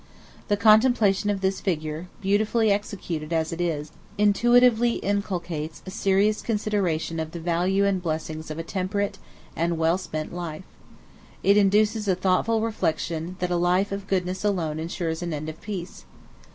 The contemplation of this figure, beautifully executed as it is, intuitively inculcates a serious consideration of the value and blessings of a temperate; and well spent life; it induces a thoughtful reflection that a life of goodness alone insures an end of peace.